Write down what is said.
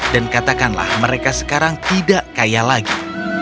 dan katakanlah mereka sekarang tidak kaya lagi